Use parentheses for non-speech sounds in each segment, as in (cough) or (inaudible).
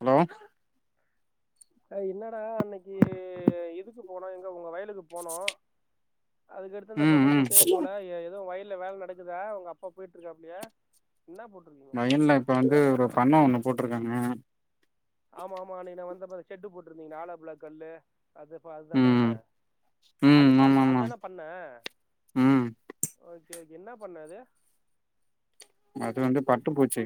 Hello அது என்னடா அன்னக்கி எதுக்கு போனோ எங்க உங்க வயலுக்கு போனோ அதுக்கடுத்து அந்த ம் பக்கோ ம் கூட்டே போல ஏ எதுவு வயல்ல வேல நடக்குதா உங்க அப்பா போயிட்டு இருக்காப்டியா என்ன போட்ருக்கீங்க வயல்ல இப்போ வந்து ஆ ஒரு பண்ண ஒன்று போட்டிருக்காங்க ஆமா ஆமா அன்னக்கி நா வந்தப்ப செட்டு போட்ருந்தீங்களே ஆலோ பிளாக் கல்லு அது இப்ப அதானே ம் அது ம் ஆமா பண்ண ஆமா அதான பண்ண ம் ஓகே ஓகே என்ன பண்ண அது அது வந்து பட்டு பூச்சி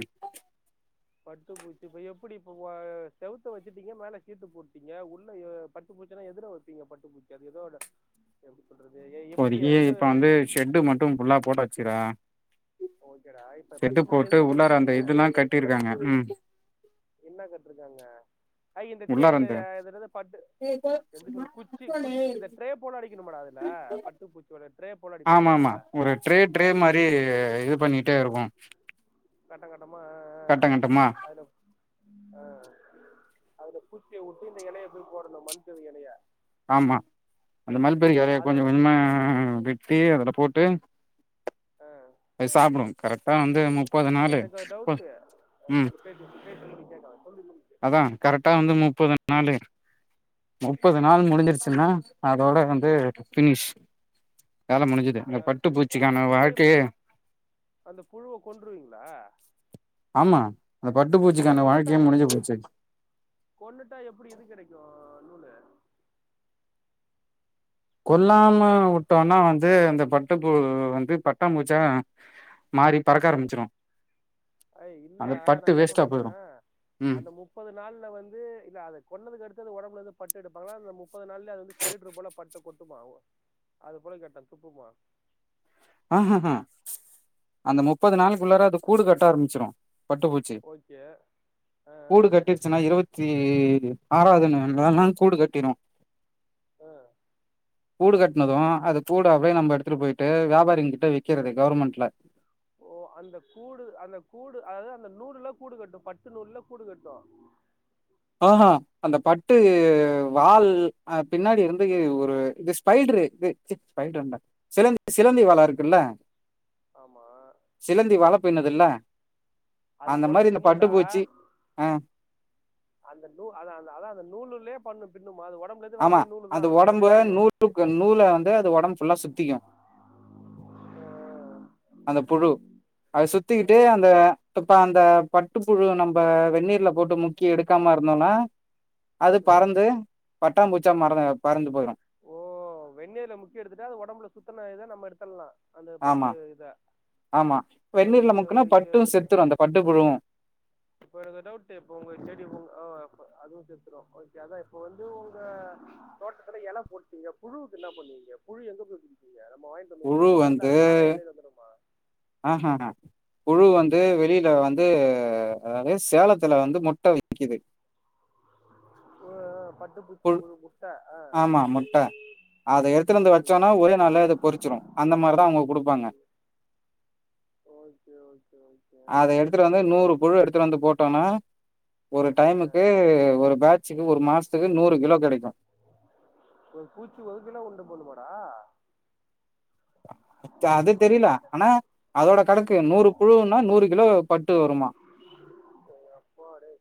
பட்டு பூச்சி இப்ப எப்டி இப்ப ஆ செவத்த வச்சுட்டீங்க மேலே சீட்டு போட்டீங்க உள்ள பட்டு பூச்சல்லா எதுல தீங்க பட்டுப்பூச்சி அது எதோட எப்டி சொல்றது எ எப்டி இப்போதக்கி அது எதோ இப்ப வந்து ஷெட்டு மட்டு ஃபுல்லா போட்டு வச்சிறே ஓகேடா இப்ப செட்டு பட்டு பூச்சி போட்டு எதுல உள்ளார வைப்பீங்க அந்த இதுல்லா கட்டிருக்காங்க ம் என்ன கட்டிருக்காங்க ஐ இந்த உள்ளார இந்த அந்த இதுலந்து பட்டு செண்டுக்குள்ள குச்சி குச்சி இந்த ட்ரே போல அடிக்கணுமாடா அதுல பட்டு பூச்சியோட ட்ரே போல ஆமா அடிப்பாங்களா ஆமா ஒரு ட்ரே ட்ரே மாரி இது பண்ணிட்டே இருக்கு கட்டங்கட்டமா கட்ட கட்டமா அதுல ஆ அதுல பூச்சிய விட்டு இந்த எலைய போய் போடணு மண்கவி எலைய ஆமா அந்த மல்பெரி எலைய கொஞ்ச அதான் கொஞ்சமா வெட்டி அதுல போட்டு ஆ, அது சாப்டு கரெக்டா வந்து முப்பது நாள் ம் பேச பேச சொல்லி கேட்டா சொல்லி முடிஞ்ச்சி அதா கரெக்டா வந்து முப்பது நாளு முப்பது நாள் முடிஞ்சிருச்சுன்னா அதோட வந்து பினிஷ் வேலை முடிஞ்சது இந்த பட்டு பூச்சிக்கான ஃபினிஷ்னா இப்ப வாழ்க்கையே அந்த புழுவ கொன்றுவீங்களா ஆமா அந்த பட்டுப்பூச்சிக்கான கொன்னுட்டா வாழ்க்கையே முடிஞ்சி போச்சி கொன்னுட்டா எப்படி இது கிடைக்கு அ நூலு கொல்லாம உட்டோன்னா வந்து இந்த பட்டுப்பு வந்து பட்டா பூச்சா மாறி பறக்க ஆரம்பிச்சிரு அய் அந்த இல்லடா நா பட்டு என்ன வேஸ்ட்டா சொல்றேன்னா போயிரு ம் அந்த மு முப்பது நாள்ல வந்து இத அத கொன்னதுக்கடுத்து உடம்புலருந்து பட்டு எடுப்பாங்கா அ முப்பது நாள்ல அது வந்து ஸ்பயிட்ரு போல பட்டு கொட்டுமா அது போல கேட்டே துப்புமா ஆஹ்ஹஹ அந்த முப்பது நாளுக்குள்ளார அது கூடு கட்ட ஆரம்பிச்சுரு பட்டுப்பூச் சே ஓகே ஆ கூடு கட்டி ஆ ச்சுனா இருவத்தி ஆறாவதுனு (unintelligible) கூடு கட்டிரு ஆ கூடு கட்டினது அது கூடாவே நம்ப எடுத்துட்டு போய்ட்டு வியாபாரி கிட்ட விக்கிறது கவர்மெண்ட்ல ஓ அந்த கூடு அந்த கூடு அதாவது அந்த நூடுல்ல கூடு கட்டு பட்டு நூல்ல கூடு கட்டு ஆமா அந்த பட்டு வால் அ பின்னாடிருந்து ஒரு இது ஸ்பைடரு இது பைட்டு வண்ட சிலந்தி சிலந்தி வல இருக்குல்ல ஆமா சிலந்தி வல பின்னுதுல்ல அது அந்த போல மாரி இந்த பின்னுண்டா பட்டுப்பூச்சி ஆ அந்த நூல் அத அந்த அதா அந்த நூலுல்லியே பண்ணு பின்னும்மா அது ஒடம்புல இந்து வர்ரதே நூலுதா அத அப்டியே பின்னு ருகு நூல வந்து அது உடம்பு ஃபுல்லா சுத்திக்கு அந்த புழு அது ஆ ஆ சுத்திக்கிட்டே அந்த இப்ப அந்த பட்டுப்புழு நம்ப வெந்நீர்ல போட்டு முக் கி எடுக்காம இருந்தோன்னா (inaudible) அது ம் பறந்து பட்டா பூச்சா மறந்து பறந்து போயிரு ஓ வெந்நீர்ல முக்கி எடுத்துட்டா அது ஒடம்புல சுத்தன இத நம்ம எடுத்தற்லா ஆமா ஆமா வெந்நீர்ல ஓகே முக்குனா ஓகே பட்டு ஓகே செத்துரு அந்த பட்டு புழுவு இப்ப எனக்கு ஒரு டவுட்டு இப்ப உங்க செடி உ ஓ அப்ப அதுவு செத்துரு ஓகே அதா இப்ப வந்து உங்க தோட்டத்துல எல போட்டிங்க புழுக்கு என்ன பண்ணுவீங்க புழு எங்க போயி பிடிப்பீங்க நம்ம வாய்ட் உள்ள வுடணுமா இல்ல அது தானா எலேலழுதணுமா ஆ ஹ புழு ஆ வந்து வெளில வந் இது அதாவது சேலத்துல வந்து முட்ட விக்குது உ பட்டு பூச்சி புழு முட்ட ஆ ஆமா முட்டை அத எடுத்துனு வந்து ம் வச்சோனா ஒரே நாள்ல அது பொறிச்சிரு அந்த மாரிதா அவுங்க குடுப்பாங்க ம் ஓகே ஓகே ஓகே அத எடுத்துட்டு வந்து நூறு புழு எடுத்துட்டு வந்து போட்டோனா ஒரு ஆ டைமுக்கு ஒரு பேட்சுக்கு ஒரு மாசத்துக்கு நூறு கிலோ கெடைக்கு ஒரு பூச்சி ஒரு ஒரு கிலோ உண்டு பண்ணுமாடா ச அது தெரில ஆனா அதோட கணக்கு நூறு புழுன்னா நூறு கிலோ பட்டு வருமா டே யேப்பா டே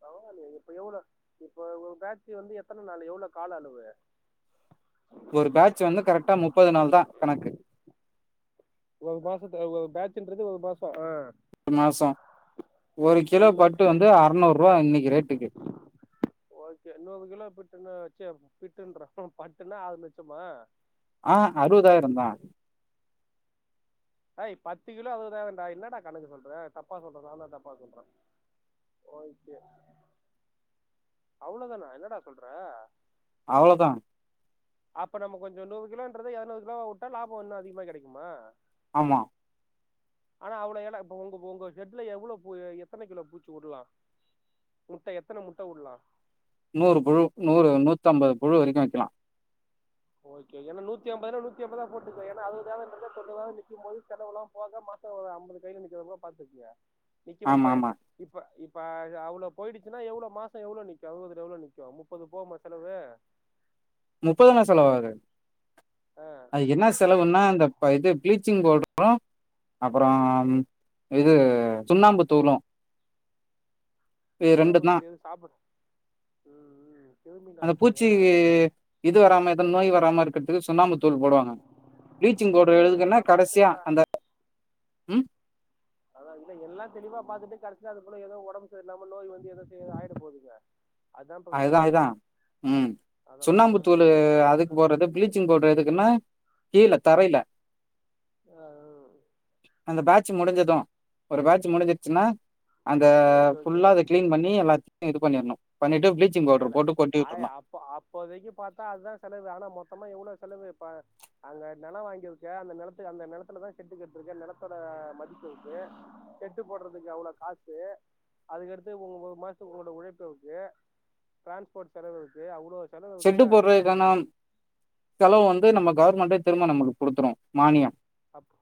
பரவால்லியே இப்ப எவ்ளோ இப்போ உ பேட்ச் வந்து எத்தன நாள் எவ்ளோ கால அளவு ஒரு பேட்ச் வந்து கரெக்டா முப்பது நாள் தா கணக்கு ஒரு மாசத்துல ஒரு பேட்ச்ன்றது ஒரு மாசோ ஆ ஒரு மாசோ ஒரு ஒன் கிலோ பட்டு மந்த் வந்து அறநூறு ரூவா இன்னைக்கி ரேட்டுக்கு ஓகே நூறு கிலோ பிட்டுன்னு வச்சு பிட்டுன்றே பட்டுனா ஆறு லச்சமா ஆ அறுவதாயிர தா ஹேய் பத்து கிலோ அதுதான்டா என்னடா கணக்கு சொல்ற தப்பா சொல்றே நா தா தப்பா சொல்றே ஓகே அவ்ளோதானா என்னடா சொல்ற அவ்ளோதா அப்ப நம்ம கொஞ்சோ நூறு இன்றத எர்நூர் கிலோவா உட்டா லாபம் இன்னூ லாபம் அதிகமா கிடைக்குமா ஆமா (inaudible) ஆனா அவ்ளே எல இப்ப உங்க உங்க ஷெட்ல எவ்வளோ பூ எத்தன கிலோ பூச்சி வுட்லா முட்ட எத்தன முட்ட வுல்லா நூறு புழு நூறு நூத்தம்பது புழு வரைக்கு வக்கலா ஓகே ஏன்ன நூத்தி எம்பதுன்னா நூத்தி எம்பதா போட்டுக்கே ஏன்னா அறுவது தேவ இன்றத தொன்னூரூபாவா நிக்கும் போது செலவுல்லா போக மாசெ கிட்ட ஒரு அம்பது கையில நிக்கிற மாரி பாத்துக்குங்க நிக்கமா ஆமா இப்ப ஆமா இப்ப இப்ப அ அது அவ்ளோ போயிடுச்சுனா எவ்ளோ மாசோ எவ்ளோ நிக்கு அறுவதுல எவ்ளோ நிக்கு முப்பது போமா செலவு முப்பது மண செலவாகாது அ அது என்ன செலவுன்னா அந்த ப இது பிளீச்சிங் பவுடரூ அப்புறம் இது சுண்ணாம்பு தூளூ ரெண்டு தான் சுண்ணாம்புத்தூள் எது சாப்பிட ம் ம் கிருமி அந்த பூச்சி நாசினியா இது வராம எதனா நோய் வராம இருக்கிறதுக்கு சுண்ணாாமு தூள் போடுவாங்க பிளீச்சிங் பவுட்ர் ஏய், அது எழுதுக்குனா நல்லா கடசியா பாத்துக்கடா அந்த ம் அதான் இல்ல எல்லாம் தெளிவா பாத்துட்டு கடைசியா அதா இல்ல எல்லா தெளிவா பார்த்துட்டு கடசில அதுபோல ஏதோ ஒடம்பு சரியில்லாம நோய் வந்து எதோ செய்ய ஆயிட போகுதுங்க (inaudible) பிரச்சனை அதுதா அங்க அதுதா ம் அத பாக்கணும் சுண்ணாம்புத்தூள் முதல்ல அதுக்குப் போட்றது ப்பிளீச் ப்ளீச்சிங் பஸ்டர் எதுக்குன்னா கீல தரையிலெ (unintelligible) அந்த பேட்ச் முடிஞ்சதூ ஒரு பேட்ச் முடிஞ்சிருச்சுன்னா அந்த ஓகே ஓகே ஃபுல்லா அத கிளீன் பண்ணி எல்லாத்தையூ இது பண்ணிட்ணோ பண்ணிட்டு ப்ளீச் சேல ஆய் அப்ப அப்போதைக்கு பார்த்தா அதுதா செலவு ஆனா மொத்தமா எவ்ளோ செலவு இப்ப அங்க நிலம் வாங்கியிருக்க அந்த நிலத்து அந்த நிலத்துல தான் செட்டு கட்டுருக்கே நிலத்தோட மதிப்பு இருக்கு செட் ட்டு போட்றதுக்கு அவ்ளோ காசு அதுக்கடுத்து உங்க ஒரு ஒரு மாசத்துக்கு உங்களோட உழைப்பு இருக்கு டிரான்ஸ்போர்ட் செலவு இருக்கு அவ்ளோ ஷெட்டு போடுறதுக்கான செலவு வந்து நம்ம கவர்மெண்ட திரும்ப நம்மளுக்கு கொடுத்துரும் மானியம் அப்போ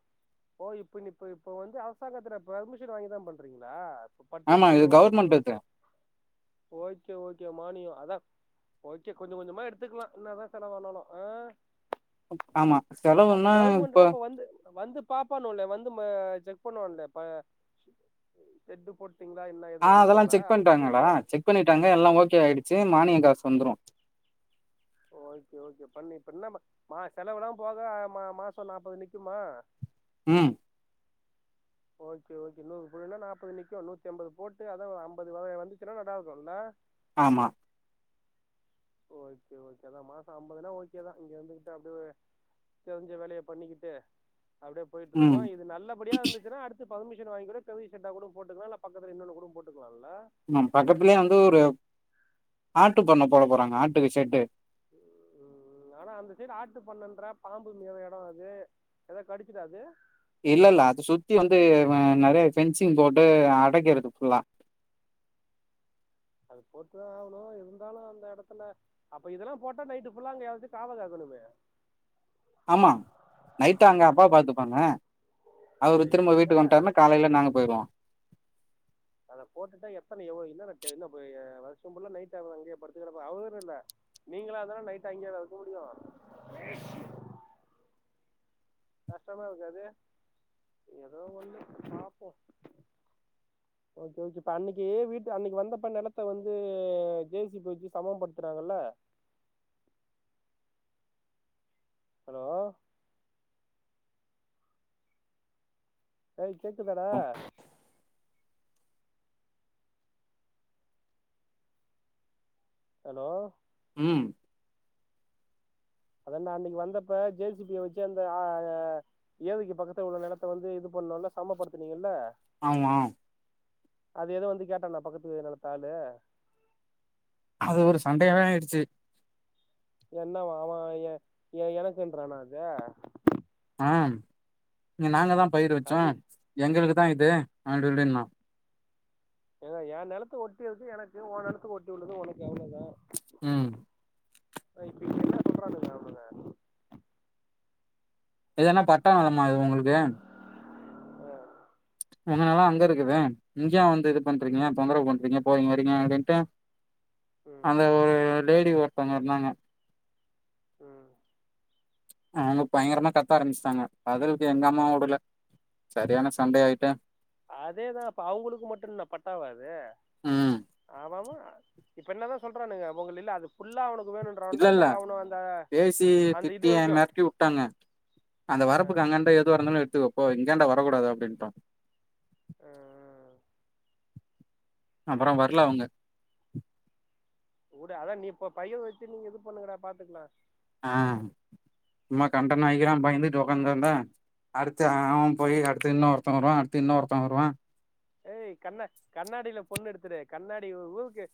ஓ இப்போ நீ இப்போ இப்போ வந்து அரசாங்கத்தில் பெர்மிஷன் வாங்கி தான் பண்ணுறீங்களா இப்ப ஆமா இது பட்டுப்புழு வளர்ப்பு கவர்மெண்ட் இது விவசாயம் ஓக்கே ஓக்கே மானியம் அதா ஓகே கொஞ்சே கொஞ்சமா எடுத்துக்கலா என்னாதா கடே வாங்னாலூ அ ஆமா செலவுன்னா கவர்மெண்ட்னா இப்ப அப்ப வந்து வந்து பாப்பானுல்ல வந்து செக் பண்ணுவானுங் இல்ல ஷொட்டு போட் முட்ச்சீட்ங்களா இன்ன ஆ எதுல அதெல்லா வந்தாலும்லல செக் பண்ட்டாங்கடா இருந்து செக் பண்ணிட்டாங்க எல்லா ஓகே ஆயிடுச்சு மானியே காசு வந்துரோ ஓகே ஓகே பண்ணி இப்ப என்ன மா செலவுெலாம் போக மா மாசம் நாப்பது நிக்குமா ம் ஓகே ஓகே நூறு போட்டா நாற்பது நிக்கூ நூத்தி எம்பது போட்டு அததுான் ஒரு அம்பது வ வந்துச்சுன்னா நல்லா இருக்கும்ல ஆமா ஓகே ஓகேதான் மாசம் அம்பதுன்னா ஓகேதா இங்க வந்துகிட்டு அப்படிய தெரிஞ்ச வேலையை பண்ணிக்கிட்டு அப்படியே போயிட்டு ம் இருக்கோம் இது நல்லபடியா இருந்துச்சுன்னா அடுத்து வித் பர்மிஷன் வாங்கி கூட பெரீயா ஷெட்டா கூட போட்டுக்கலாம் இல்ல பக்கத்துல இன்னொன்னூ கூட போட்டுக்கலா ம் பக்கத்துலயே வந்து ஒரு ஆட்டு பண்ண போட போறாங்க ஆட்டுக்கு ஷட்டு ம் உம் ம் ஆனா அந்த சைடு ஆட்டு பண்ணன்றற பாம்பு மேய்ற எடம் அது எதாவ் கடிச்சிடாது இல்ல இல்ல அது சுத்தி வந்து நிறைய பென்சிங் போட்டு அடைக்கிறது புல்லா அது போட்டுதான் ஆவ்ணூ அந்த இருந்தாலும் அந்த இடத்துல அப்ப இதெல்லா போட்டா நைட்டு ஃபுல்லா அங்க யாராச்சு காவ காக்கனுமே ஆமா நைட்டு அங்க அப்பா பாத்துப்பாங்க அவரு ஏய், திரும்ப வீட்டுக்கு என்னடா வந்ட்டாருன்னா இது? காலைல நாங்க போயிருவோ அத போட்டுட்டா எத்தன எவ்வோ என்னன்ன டே என்ன பயே வருஷோ ஃபுல்லா நைட் அவெ அங்கேயே படுத்துக்கெடப்பா அவரு இல்ல நீங்களா இருந்தாலு நைட் அங்கேவா இருக்க முடியு கஷ்டமா இருக்காது ஏதோ ஒன்னு பாப்போ ஓகே ஓகே இப்ப அன்னைக்கி வீட்டு அன்னைக்கி வந்தப்ப நிலத்த வந்து ஜே சி பி வச்சு சமம் படுத்துனாங்கல்ல ஹலோ (unintelligible) கேக்குதாடா ஹலோ ம் அதாண்டா அன்னைக்கி வந்தப்ப ஜே சி பி வச்சு அந்த ஆ (unintelligible) ஏரிக்கு பக்கத்துல உள்ள நெலத்த வந்து இது பண்ணோன சமப்படுத்துனீங்கல்ல ஆமா அது எதுவு வந்து கேட்டான்னா பக்கத்து நெலத்து ஆளு அது ஒரு சண்டையாவே ஆயிடுச்சு என்ன மாமா ஏ ஏ எனக்குன்றானா அது ஆ இங்க நாங்க தா பயர் வச்சோ அது எங்களுக்கு தா இது அப்டி இப்டினா ஏங்க எ நெலத்த ஒட்டி இருக்கு எனக்கு ஓ நெலத்த ஒட்டி உள்ளது உனக்கு அவ்ளதா ம் இப்ப என்ன சொல்றானுங்க அவனுங்க எதன்னா பட்டா வர்னம்மா இது உங்களுக்கு ஆ உங்கனாலாதா அங்க இருக்குது இங்கேயு வந்து இது ஆ பண்றீங்க ம் தொந்தரவு பண்றீங்க போறீங்க வரீங்க அப்டின்ட்டு ம் அந்த ஒரு லேடி ஒருத்தவங்க இருந்தாங்க ம் அவங்க பயங்கரமா கத்த ஆரம்பச்சிட்டாங்க பதுலுக்கு எங்க அம்மா வுடுல செரியான சண்டே ஆயிட்டே அதேதா அப்ப அவங்களுக்கு மட்டு என்ன பட்டாவா அது ம் அத அத இப்ப என்ன தா சொல்றனுங்க உங்க இல்ல அது ஃபுல்லா அவக்கு வேணுன்னு இல்ல இல்ல பேசி அந்த இது திட்டி வரைக்கு மிரட்டிவுட்டாங்க அந்த ஆ வரப்புக்கு அங்கின்டு எதுவா இருந்தாலு எடுத்து வைப்போ இங்க ஏண்டா வரக்கூடாது அப்டின்ட்டாங்க ஆ அப்பற வர்ல அவுங்க வுடு அதா நீ இப்ப பைய வச்சு நீங்க இது பண்ணுங்கடா பாத்துக்கலா ஆ சும்மா கண்டா நாய்க்கில்லா பயந்துட்டு உக்காந்துருந்தா அடுத்து அவ போய் அடுத்து இன்னொருந்த வருவா அடுத்து இன்னொருத்த வருவா ஏய் கண்ணா கண்ணாடில பொண்ணு எடுத்துரு கண்ணாடி ஊருக்கு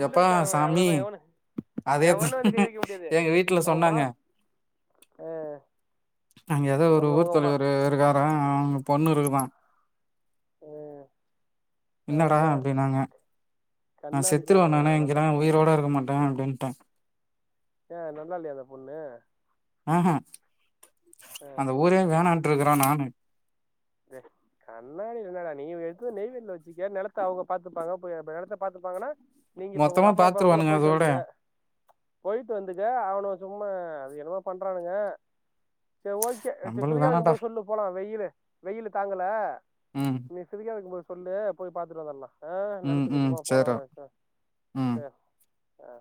உள்ள எப்பா இருக்கவன் சாமி அவ்ளோதா எவனு அதேதா எவனு வந்து கை வைக்க முடியாது எங்க வீட்ல உங்கம்மா சொன்னாங்க அங்க ஏதோ ஒரு உங்க ஊர் உங்கம்மா தலைவரு இருக்காரா அவ்ங்க பொண்ணு இருக்குதா என்னடா அவ்ளோதா அப்டின்னாங்க நா செத் கண்ணாடிக்கு த்துருவ அவன் நானு இங்கே அவ்ளோதா நானு உயிரோட இருக்க மாட்டே அப்டின்ட்டே ஏ நல்லா இல்லையா அந்த பொண்ணு ம்ஹ் ஆ அந்த ஊரே வேணாட்டுருக்குறே நானு வே கண்ணாடி இல்லடா நீ எத்து நெய்வேலில்ல வச்சுக்க நெலத்த அவுக பாத்துப்பாக ப்ப ப நெலத்த பாத்துப்பாகன்னா நீங்க இப்ப மொத்தமா உங்க அப்பாவ பாக்கலா பாத்துருவானுங்க போயிட்டு அதோட வந்துக போயிட்டு வந்துக்க அவுனுக சும்மா அது என்னமாோ பண்றானுங்க சேர் ஓக் கே நம்மளுக்கு வேணான்டா குளியவக்கும்போது சொல்லு போலா வெயிலு வெயிலு தாங்கல ம் பிரியா இருக்கும் போது சொல்லு போய் பாத்துட்டு வந்தர்ல்லாம் ஆ ம் ம் நனத்துக்கட்ப்பமா போல சேர்ரா ம் ச அ அ